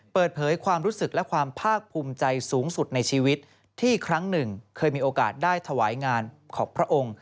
เปิดเผยความรู้สึกและความภาคภูมิใจสูงสุดในชีวิตที่ครั้งหนึ่งเคยมีโอกาสได้ถวายงานของพระองค์